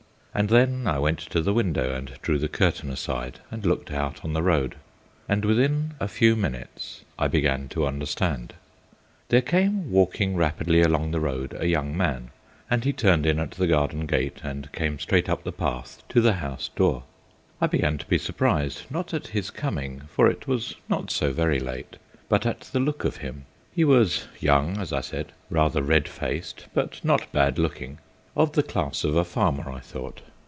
And then I went to the window and drew the curtain aside and looked out on the road, and within a few minutes I began to understand. There came walking rapidly along the road a young man, and he turned in at the garden gate and came straight up the path to the house door. I began to be surprised, not at his coming, for it was not so very late, but at the look of him. He was young, as I said, rather red faced, but not bad looking; of the class of a farmer, I thought.